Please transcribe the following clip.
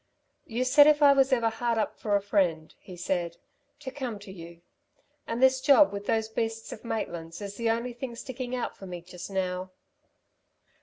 "You said if ever I was hard up for a friend," he said, "to come to you. And this job with those beasts of Maitland's is the only thing sticking out for me just now."